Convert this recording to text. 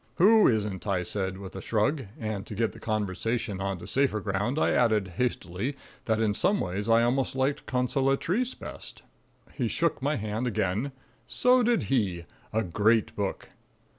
"Who isn't?" I said with a shrug, and, to get the conversation on to safer ground, I added hastily that in some ways I almost liked "Consolatrice" best. He shook my hand again. So did he. A great book.